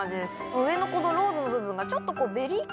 上のこのローズの部分がちょっとベリー系？